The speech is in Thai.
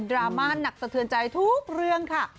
ราม่าหนักสะเทือนใจทุกเรื่องค่ะ